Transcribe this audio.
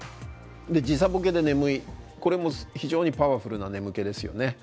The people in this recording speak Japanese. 時差ボケで眠いこれも非常にパワフルな眠気ですよね。